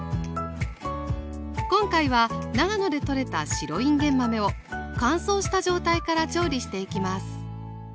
今回は長野でとれた白いんげん豆を乾燥した状態から調理していきます